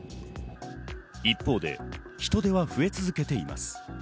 一方で、人出は増え続けています。